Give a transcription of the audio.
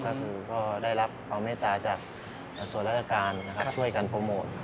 ก็คือก็ได้รับความเมตตาจากส่วนราชการนะครับช่วยกันโปรโมท